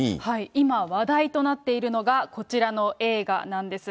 今、話題となっているのが、こちらの映画なんです。